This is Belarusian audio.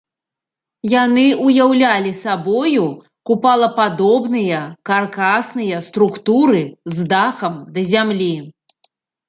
Яны ўяўлялі сабою купалападобныя каркасныя структуры з дахам да зямлі.